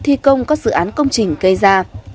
thi công các dự án công trình gây ra